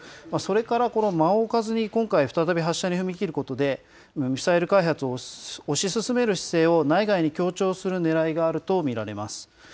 それからこの間を置かずに今回、再び、発射に踏み切ることで、ミサイル開発を推し進める姿勢を内外に強調するねらいがあると見られます。